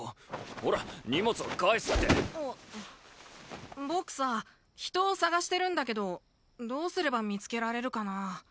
ほら荷物は返すって僕さあ人を捜してるんだけどどうすれば見つけられるかな？